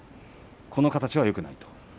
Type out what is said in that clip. この形はよくない。